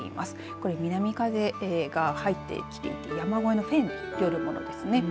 これ南風が入ってきている山越えのフェーン現象によるものです。